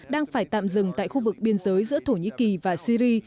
đang phải tạm dừng tại khu vực biên giới giữa thổ nhĩ kỳ và syri